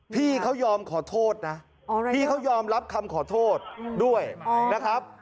พี่เขายอมขอโทษนะพี่เขายอมรับคำขอโทษด้วยนะครับ